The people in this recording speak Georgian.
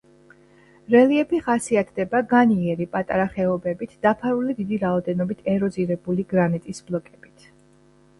რელიეფი ხასიათდება განიერი, პატარა ხეობებით, დაფარული დიდი რაოდენობით ეროზირებული გრანიტის ბლოკებით.